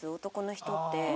男の人って。